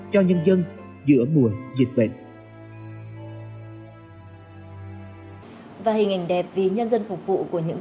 cho nhân dân giữa mùa dịch bệnh